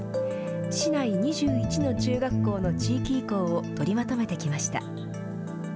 市内２１の中学校の地域移行を取りまとめてきました。